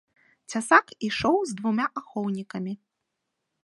Цясак ішоў з двума ахоўнікамі.